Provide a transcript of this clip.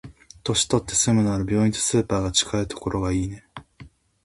年取って住むなら、病院とスーパーが近いところがいいね。